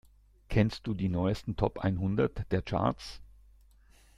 Kennst du die neusten Top einhundert der Charts?